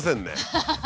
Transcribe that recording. ハハハハ！